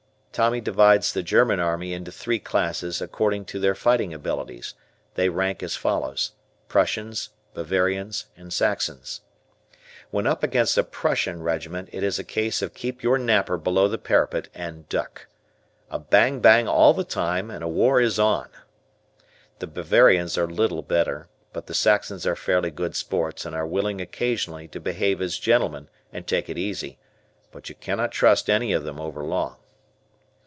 Tommy divides the German army into three classes according to their fighting abilities. They rank as follows, Prussians, Bavarians, and Saxons. When up against a Prussian regiment it is a case of keep your napper below the parapet and duck. A bang bang all the time and a war is on. The Bavarians are little better, but the Saxons are fairly good sports and are willing occasionally to behave as gentlemen and take it easy, but you cannot trust any of them overlong.